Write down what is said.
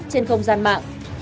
trên công ty đối tượng